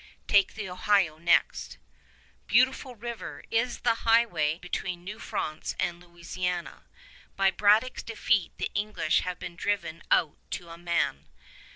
Take the Ohio next. "Beautiful River" is the highway between New France and Louisiana. By Braddock's defeat the English have been driven out to a man.